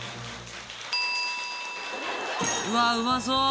うわうまそう！